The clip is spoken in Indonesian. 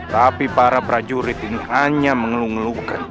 tapi para prajurit ini hanya mengelung elungkan kian santang